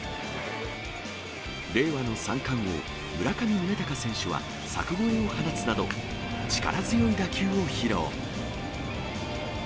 令和の三冠王、村上宗隆選手は、柵越えを放つなど、力強い打球を披露。